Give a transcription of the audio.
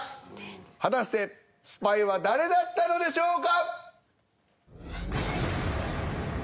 果たしてスパイは誰だったのでしょうか？